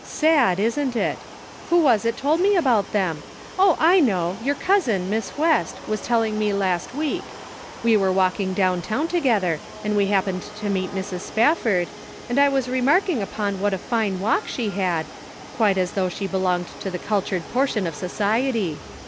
Sad, isn't it? Who was it told me about them ? Oh, I know ; your cousin, Miss West, was telling me la&t week ; we were walking down town together, and we happened to meet Mrs. Spafford, and I was remarking upon what a fine walk she had — 66 The Pocket Measure. quite as though she belonged to the cultured portion of society.